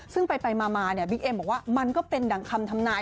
ซึ่งไปมาเนี่ยบิ๊กเอ็มบอกว่ามันก็เป็นดังคำทำนาย